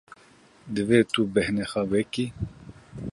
Divê tu bêhna xwe vekî.